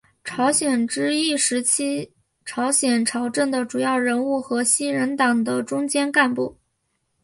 朝鲜之役时朝鲜朝政的主要人物和西人党的中坚干部。